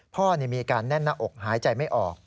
พ่อมีอาการแน่นหน้าอกหายใจไม่ออก